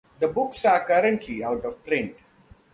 The books are currently out of print.